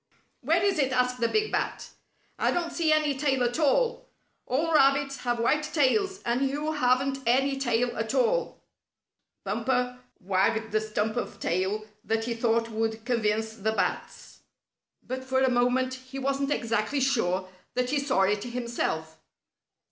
"Where is it?" asked the big Bat. "I don't see any tail at all. All rabbits have white tails, and you haven't any at all." Bumper wagged the stump of tail that he thought would convince the bats, but for a moment, he wasn't exactly sure that he saw it himself.